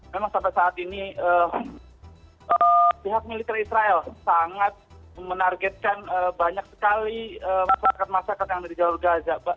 memang sampai saat ini pihak militer israel sangat menargetkan banyak sekali masyarakat masyarakat yang dari jawa jawa